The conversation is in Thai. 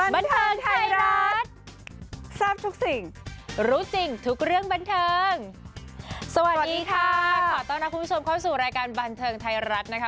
บันเทิงไทยรัฐทราบทุกสิ่งรู้จริงทุกเรื่องบันเทิงสวัสดีค่ะขอต้อนรับคุณผู้ชมเข้าสู่รายการบันเทิงไทยรัฐนะคะ